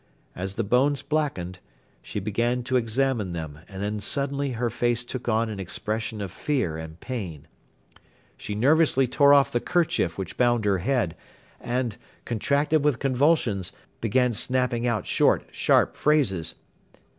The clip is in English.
As the bones blackened, she began to examine them and then suddenly her face took on an expression of fear and pain. She nervously tore off the kerchief which bound her head and, contracted with convulsions, began snapping out short, sharp phrases.